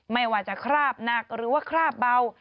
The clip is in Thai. ไม่ว่าจะคราบหนักหรือว่าคราบเบา